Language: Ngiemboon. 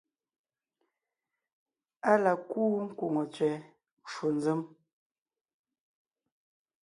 Á la kúu kwòŋo tsẅɛ ncwò nzěm,